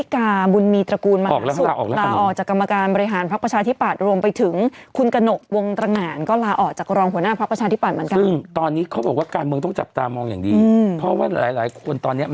ที่การมีคาดการณ์เอาไว้ช่วงต่อจากตรงนี้